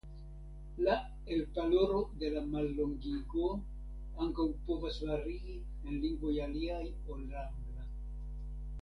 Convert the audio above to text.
La elparolo de la mallongigo ankaŭ povas varii en lingvoj aliaj ol la angla.